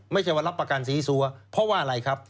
ไม่ใช่ว่ารับประกันสีซัวเพราะว่าอะไรครับ